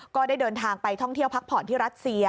ก็ได้เดินทางไปท่องเที่ยวพักผ่อนที่รัสเซีย